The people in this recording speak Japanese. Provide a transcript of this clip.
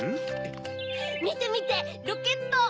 みてみてロケット！